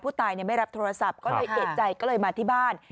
ผู้ตายไม่รับโทรศัพท์ก็เลยเอกใจก็เลยมาที่บ้าน